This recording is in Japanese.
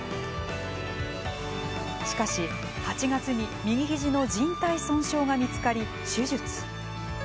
しかし８月に右ひじのじん帯損傷が見つかり手術。